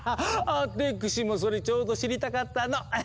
アテクシもそれちょうど知りたかったの！